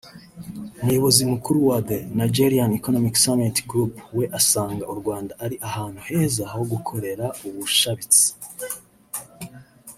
umuyobozi mukuru wa The Nigerian Economic Summit Group we asanga u Rwanda ari ahantu heza ho gukorera ubushabitsi